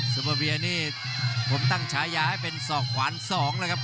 ซูเปอร์เวียนี่ผมตั้งฉายาให้เป็นศอกขวาน๒แล้วครับ